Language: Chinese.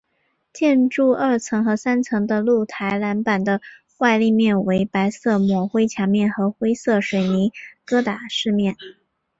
建筑二层和三层的露台栏板的外立面为白色抹灰墙面和灰色水泥疙瘩饰面。